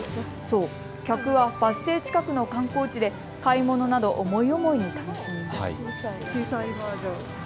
客はバス停近くの観光地で買い物など思い思いに楽しみます。